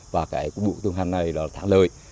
và cái cuộc tuân hành này là tháng lời